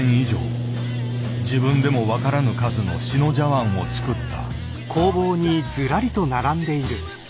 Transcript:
自分でも分からぬ数の志野茶碗を作った。